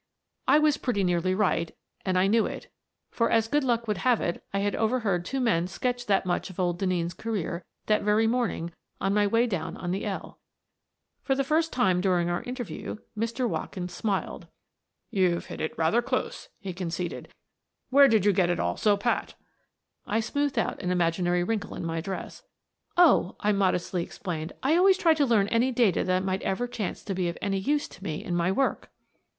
I was pretty nearly right, and I knew it, for, as good luck would have it, I had overheard two men sketch that much of old Denneen's career that very morning on my way down on the " L." For the first time during our interview, Mr. Watkins smiled. "You've hit it rather close," he conceded. " Where did you get it all so pat? " I smoothed out an imaginary wrinkle in my dress. "Oh," I modestly explained, "I always try to learn any data that may ever chance to be of any use to me in my work."